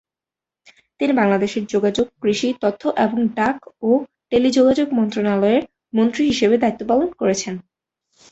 তিনি বাংলাদেশের যোগাযোগ, কৃষি, তথ্য এবং ডাক ও টেলিযোগাযোগ মন্ত্রনালয়ের মন্ত্রী হিসেবে দায়িত্ব পালন করেছেন।